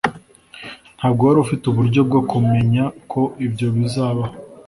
Ntabwo wari ufite uburyo bwo kumenya ko ibyo bizabaho